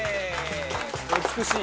美しい。